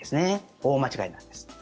大間違いなんです。